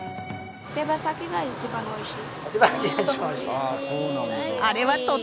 手羽先が一番美味しい？